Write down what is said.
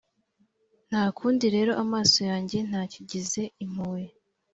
Nta kundi rero, amaso yanjye ntakigize impuhwe.